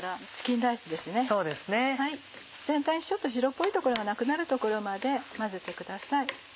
全体に白っぽい所がなくなるところまで混ぜてください。